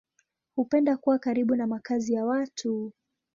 Hupenda kuwa karibu na makazi ya watu.